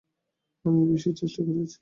আমি এ বিষয়ে চেষ্টা করিয়াছি।